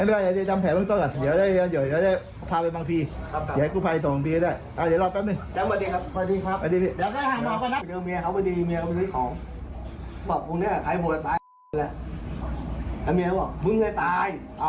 ผมก็ย้อนกลับไปอันนี้ผัวไม่พอใจแล้วน้องเขาพี่ชายเขา